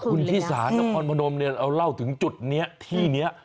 คุณชิสานครพนมเนี่ยเราเล่าถึงจุดนี้ที่นี้